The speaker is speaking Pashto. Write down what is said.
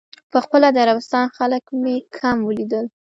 په خپله د عربستان خلک مې کم ولیدل.